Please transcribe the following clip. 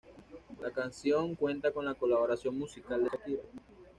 La canción cuenta con la colaboración musical de Shakira.